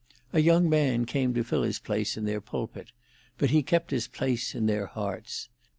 A young man came to fill his place in their pulpit, but he kept his place in their hearts.